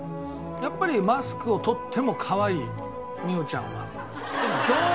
やっぱりマスクを取ってもかわいい美桜ちゃんは。